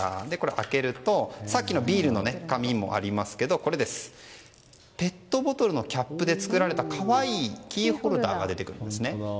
開けると、さっきのビールの紙もありますけどもペットボトルキャップで作られた可愛いキーホルダーが出てくるんですね。